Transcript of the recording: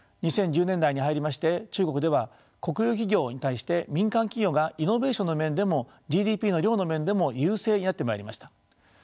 ２０１０年代に入りまして中国では国有企業に対して民間企業がイノベーションの面でもＧＤＰの量の面でも優勢になってまいりました。